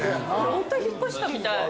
ホントに引っ越したみたい。